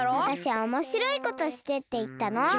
わたしはおもしろいことしてっていったの。